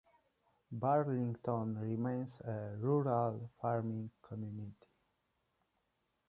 Burlington remains a rural farming community.